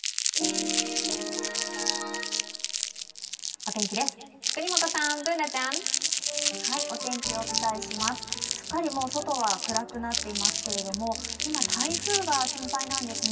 お天気です、國本さん、Ｂｏｏｎａちゃん。すっかり外は暗くなっていますけれども、今、台風が心配なんですね。